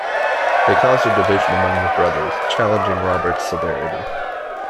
They caused a division among the brothers, challenging Robert's severity.